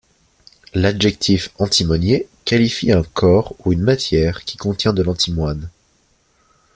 L'adjectif antimonié qualifie un corps ou une matière qui contient de l'antimoine.